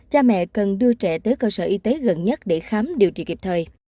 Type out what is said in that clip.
cha mẹ cần đưa trẻ tới cơ sở y tế gần nhất để khám điều trị kịp thời